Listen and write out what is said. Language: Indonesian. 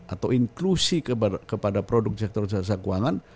atau inklusi kepada produk sektor jasa keuangan